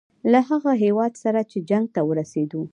له هغه هیواد سره چې جنګ ته ورسېدو.